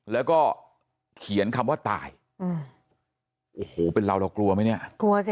แล้วก็เขียนคำว่าตายอืมโอ้โหเป็นเราเรากลัวไหมเนี่ยกลัวสิ